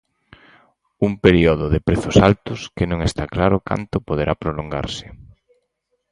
Un período de prezos altos que non está claro canto poderá prolongarse.